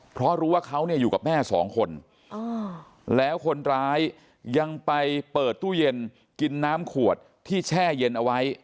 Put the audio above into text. เพราะรู้ว่าเขาเนี่ยอยู่กับแม่สองคนแล้วคนร้ายยังไปเปิดตู้เย็นกินน้ำขวดที่แช่เย็นเอาไว้